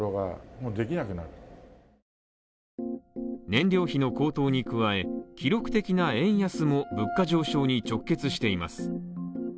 燃料費の高騰に加え、記録的な円安も物価上昇に直結しています